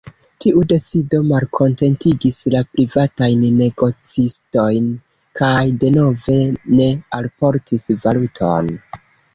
Tiu decido malkontentigis la privatajn negocistojn kaj denove ne alportis valuton.